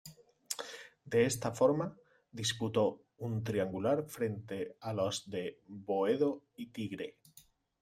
De esta forma, disputó un triangular frente a los de Boedo y Tigre.